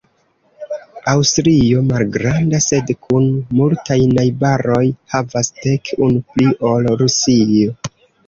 Aŭstrio, malgranda, sed kun multaj najbaroj, havas dek, unu pli ol Rusio.